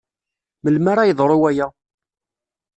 Melmi ara yeḍru waya?